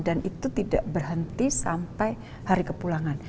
dan itu tidak berhenti sampai hari kepulangan